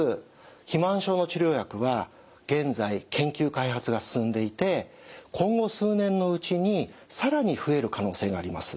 肥満症の治療薬は現在研究開発が進んでいて今後数年のうちに更に増える可能性があります。